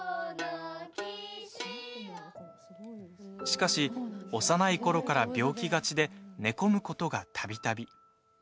しかし、幼いころから病気がちで寝込むことが、たびたび。